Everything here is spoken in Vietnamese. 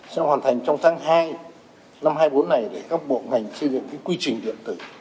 sẽ hoàn thành trong tháng hai năm hai nghìn hai mươi bốn này để các bộ ngành xây dựng cái quy trình điện tử